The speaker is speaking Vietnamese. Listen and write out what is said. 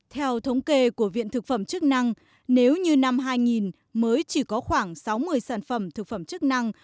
theo thống kê của viện thực phẩm chức năng nếu như năm hai nghìn mới chỉ có khoảng sáu mươi sản phẩm thực phẩm chức năng